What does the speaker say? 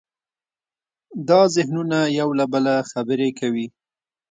دا ذهنونه یو له بله خبرې کوي.